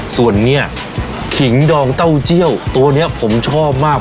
ส่วนนี้ขิงดองเต้าเจี้ยวตัวนี้ผมชอบมาก